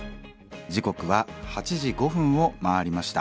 時刻は８時５分を回りました。